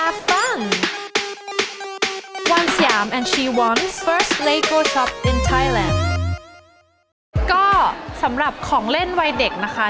ก็สำหรับของเล่นวัยเด็กนะคะ